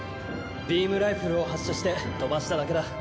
ビーム・ライフルを発射して飛ばしただけだ。